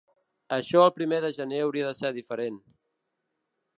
Això el primer de gener hauria de ser diferent.